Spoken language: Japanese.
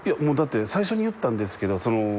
もうだって最初に言ったんですけど。